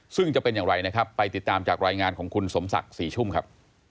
ซึ่งจะเป็นอย่างไรนะครับไปติดตามจากรายงานของคุณสมศักดิ์ศรีชุ่มครับ